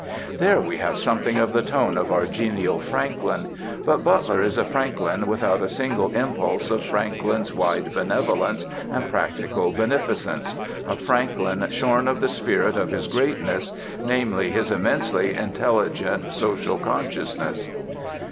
There we have something of the tone of our genial Franklin; but Butler is a Franklin without a single impulse of Franklin's wide benevolence and practical beneficence, a Franklin shorn of the spirit of his greatness, namely, his immensely intelligent social consciousness.